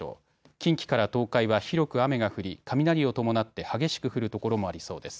近畿から東海は広く雨が降り雷を伴って激しく降る所もありそうです。